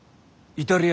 イタリア？